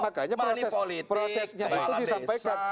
makanya prosesnya itu disampaikan